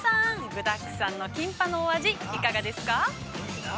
具だくさんのキンパのお味いかがですか。